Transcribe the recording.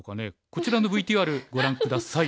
こちらのＶＴＲご覧下さい。